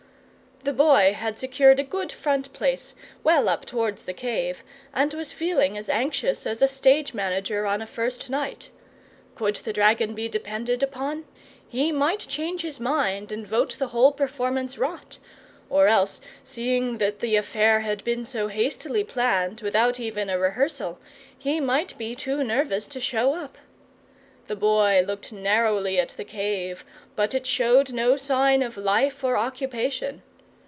The Boy had secured a good front place, well up towards the cave, and was feeling as anxious as a stage manager on a first night. Could the dragon be depended upon? He might change his mind and vote the whole performance rot; or else, seeing that the affair had been so hastily planned, without even a rehearsal, he might be too nervous to show up. The Boy looked narrowly at the cave, but it showed no sign of life or occupation.